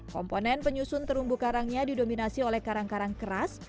komponen penyusun terumbu karangnya didominasi oleh karang karang keras